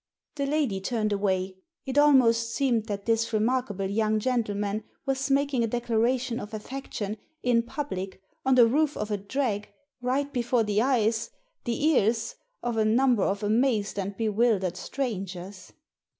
The lady turned away. It almost seemed that this remarkable young gentleman was making a declara tion of affection, in public, on the roof of a drag, right before the eyes — the ears!— of a number of amazed and bewildered strangers.